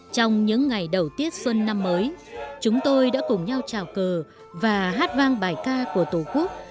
trong những ngày đầu tiết xuân năm mới chúng tôi đã cùng nhau trào cờ và hát vang bài ca của tổ quốc